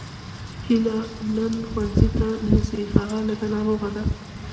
هیله نن ښوونځي ته نه ځي هغه لږه ناروغه ده